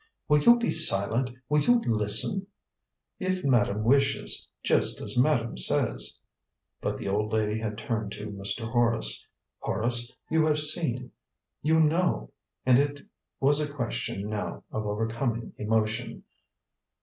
"Will you be silent? Will you listen?" "If madame wishes; just as madame says." But the old lady had turned to Mr. Horace. "Horace, you have seen you know " and it was a question now of overcoming emotion.